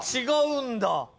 違うんだ。